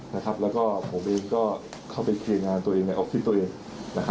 แล้วก็ผมเองก็เข้าไปเคลียร์งานตัวเองในออฟฟิศตัวเอง